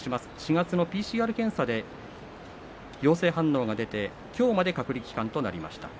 ４月のＰＣＲ検査で陽性反応が出てきょうまで隔離となりました。